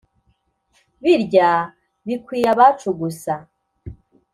birya bikwiye abacu gusa